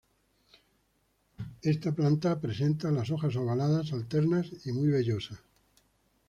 Esta planta presenta las hojas ovaladas, alternas y muy vellosas.